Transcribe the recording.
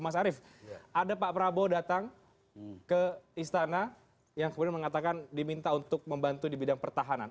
mas arief ada pak prabowo datang ke istana yang kemudian mengatakan diminta untuk membantu di bidang pertahanan